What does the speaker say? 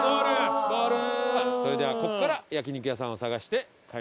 それではここから焼肉屋さんを探して帰りましょう。